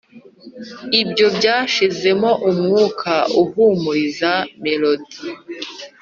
ibyo byashizemo umwuka uhumuriza, melodic,